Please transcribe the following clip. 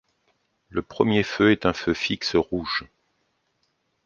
Le premier feu est un feu fixe rouge.